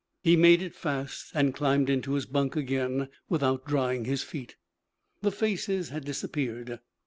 He made it fast and climbed into his bunk again without drying his feet. The faces had disappeared.